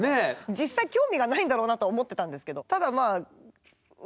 実際興味がないんだろうなとは思ってたんですけど